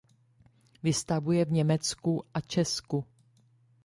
Vystavuje v Německu a Česku.